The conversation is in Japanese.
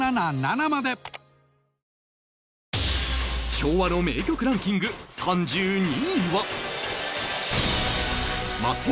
昭和の名曲ランキング３２位は